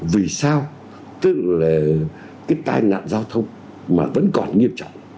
vì sao tức là cái tai nạn giao thông mà vẫn còn nghiêm trọng